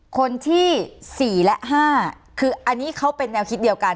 คนที่๔และ๕คืออันนี้เขาเป็นแนวคิดเดียวกัน